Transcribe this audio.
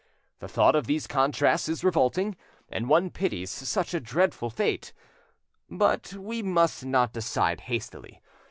The thought of these contrasts is revolting, and one pities such a dreadful fate. But we must not decide hastily.